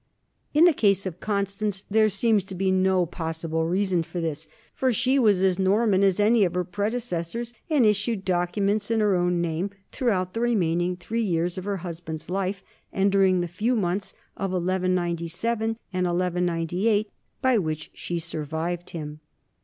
In the case of Constance there seems to be no possible reason for this, for she was as Norman as any of her predecessors and issued docu ments in her own name throughout the remaining three years of her husband's life and during the few months of 1197 98 by which she survived him.